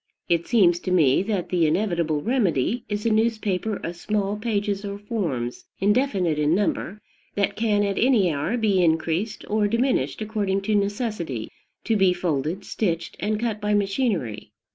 It seems to me that the inevitable remedy is a newspaper of small pages or forms, indefinite in number, that can at any hour be increased or diminished according to necessity, to be folded, stitched, and cut by machinery.